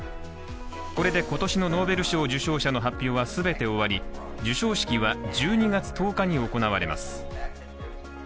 これで今年のノーベル賞受賞者の発表は全て終わり授賞式は１２月１０日に行われます。